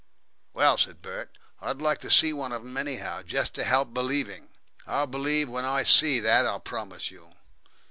"Well," said Bert, "I'd like to see one of them, anyhow. Jest to help believing. I'll believe when I see, that I'll promise you."